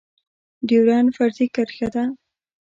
ډيورنډ فرضي کرښه ده